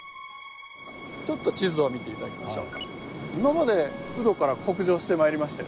ちょっと地図を見て頂きましょう。